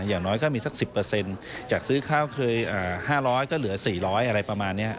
อย่างน้อยก็มีสัก๑๐จากซื้อข้าวเคย๕๐๐ก็เหลือ๔๐๐อะไรประมาณนี้